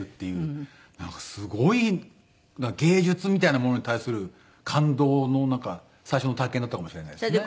なんかすごい芸術みたいなものに対する感動の最初の体験だったかもしれないですね。